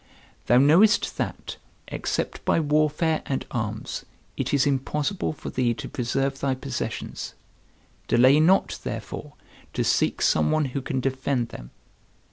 "Thou knowest that, except by warfare and arms, it is impossible for thee to preserve thy possessions; delay not, therefore, to seek some one who can defend them."